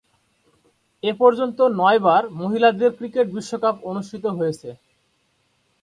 এ পর্যন্ত নয়বার মহিলাদের ক্রিকেট বিশ্বকাপ অনুষ্ঠিত হয়েছে।